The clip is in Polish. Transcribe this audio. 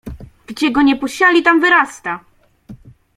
Gdzie go nie posiali, tam wyrasta!